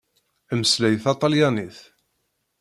Mmeslay taṭalyanit!